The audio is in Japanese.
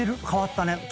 変わったね。